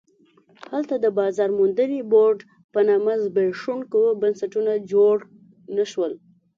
هلته د بازار موندنې بورډ په نامه زبېښونکي بنسټونه جوړ نه شول.